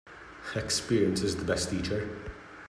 Experience is the best teacher.